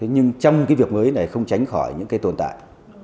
nhưng trong việc mới này không tránh khỏi những tồn tại